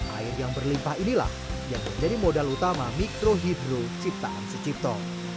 air yang berlimpah inilah yang menjadi modal utama mikrohidro ciptaan sucipto